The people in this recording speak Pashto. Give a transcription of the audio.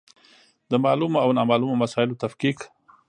د معلومو او نامعلومو مسایلو تفکیک.